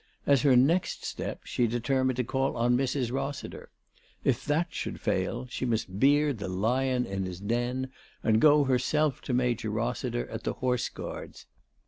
As her next step she determined to call on Mrs. Rossiter. If that should fail she must beard the lion in his den, and go herself to Major Rossiter at the Horse Guards.